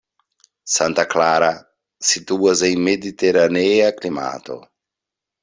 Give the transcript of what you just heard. Santa Clara situas en mediteranea klimato.